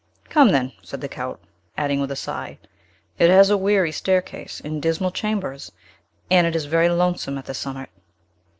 "Come, then," said the Count, adding, with a sigh, "it has a weary staircase, and dismal chambers, and it is very lonesome at the summit!"